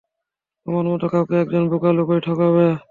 তোমার মত কাউকে একজন বোকা লোকই ঠকাবে।